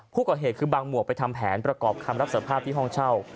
ผู้ก่อเหตุคือบางหมวกไปทำแผนประกอบคำรับสภาพที่ห้องเช่า